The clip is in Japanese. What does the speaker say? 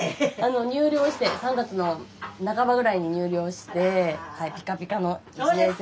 入寮して３月の半ばぐらいに入寮してピカピカの１年生。